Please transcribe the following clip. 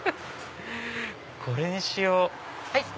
これにしよう！